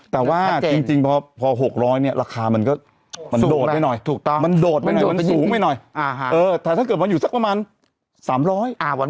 แต่ว่าจริงพอ๖๐๐เนี่ยละคามันก็ดวดไปหน่อยมันสูงไปหน่อยถ้าถ้าเกิดวันอยู่สักประมาณ๓๐๐